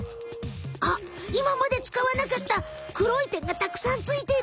あっいままで使わなかったくろい点がたくさんついてるいた。